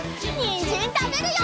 にんじんたべるよ！